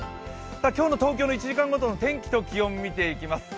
今日の東京の１時間ごとの天気と気温、見ていきます。